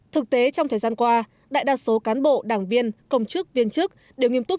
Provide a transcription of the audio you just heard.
thực tế trong thời gian qua đại đa số cán bộ đảng viên công chức viên chức đều nghiêm túc